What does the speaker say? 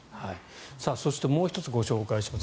そして、もう１つご紹介します